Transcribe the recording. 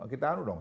kita harus dong